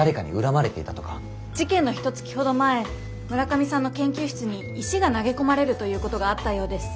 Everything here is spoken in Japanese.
事件のひとつきほど前村上さんの研究室に石が投げ込まれるということがあったようです。